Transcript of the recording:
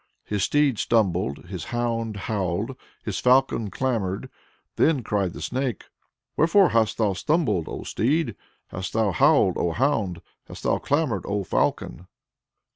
His steed stumbled, his hound howled, his falcon clamored. Then cried the Snake: "Wherefore hast thou stumbled, O Steed! hast thou howled, O Hound! hast thou clamored, O Falcon?"